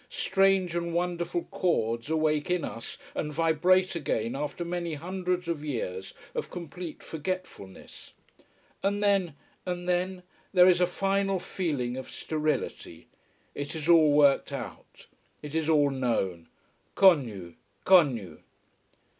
Strange and wonderful chords awake in us, and vibrate again after many hundreds of years of complete forgetfulness. And then and then there is a final feeling of sterility. It is all worked out. It is all known: _connu, connu!